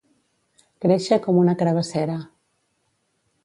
Créixer com una carabassera.